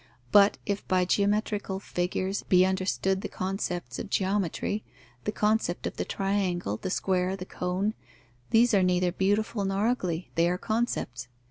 But if by geometrical figures be understood the concepts of geometry, the concept of the triangle, the square, the cone, these are neither beautiful nor ugly: they are concepts.